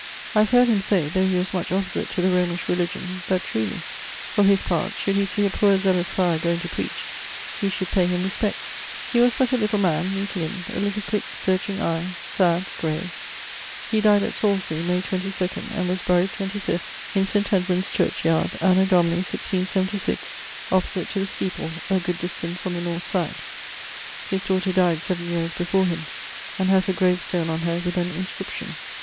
I have heard him say (though he was much opposite to the Romish religion) that truly, for his part, should he see a poor zealous friar goeing to preach, he should pay him respect. He was but a little man, neat limbed, a little quick searching eie, sad, gray. He dyed at Salisbury, May 22, and was buried 25th, in St. Edmund's church yard, anno Domini 1676, opposite to the steeple, a good distance on the north side. His daughter dyed 7 yeares before him, and haz a grave stone on her, with an inscription.